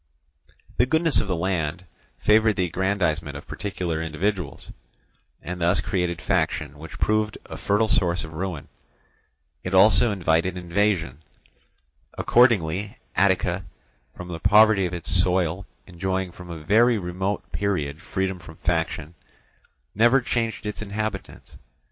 The goodness of the land favoured the aggrandizement of particular individuals, and thus created faction which proved a fertile source of ruin. It also invited invasion. Accordingly Attica, from the poverty of its soil enjoying from a very remote period freedom from faction, never changed its inhabitants.